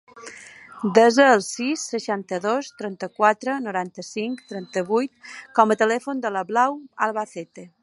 Desa el sis, seixanta-dos, trenta-quatre, noranta-cinc, trenta-vuit com a telèfon de la Blau Albacete.